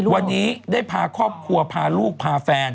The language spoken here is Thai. วันนี้ได้พาครอบครัวพาลูกพาแฟน